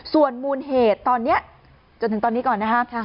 ส่วนมูลเหตุจนถึงตอนนี้ก่อนนะครับ